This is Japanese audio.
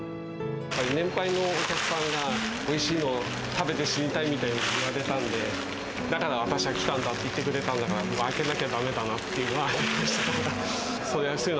年配のお客さんが、おいしいものを食べて死にたいみたいなのを言われたんで、だから私は来たんだって言ってくれたんだから、開けなきゃだめだなって思いました。